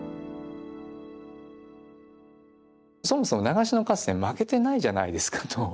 そもそも長篠合戦負けてないじゃないですかと。